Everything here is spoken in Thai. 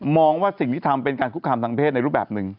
ว่าสิ่งที่ทำเป็นการคุกคามทางเพศในรูปแบบหนึ่ง